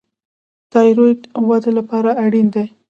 تایرویډ وده لپاره اړین دی.